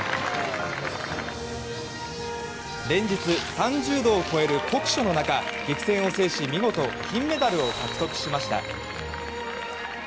連日３０度を超える酷暑の中、激戦を制し見事、金メダルを獲得しました。